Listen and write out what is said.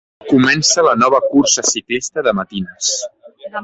Comença la nova cursa ciclista de matines.